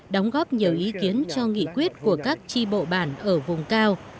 đóng góp nhiều ý kiến cho nghị quyết của các tri bộ bản ở vùng cao